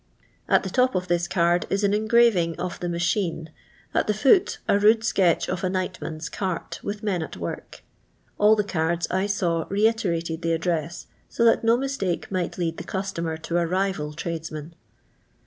At the top of this card is an engraving of the madiine ; at the firat a rude sketeh of a night man's cart, with men at work. All the cards I saw reiterated the address, so that no mistake might lead the customer to a rival tradesman.